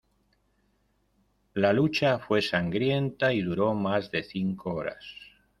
La lucha fue sangrienta y duró más de cinco horas.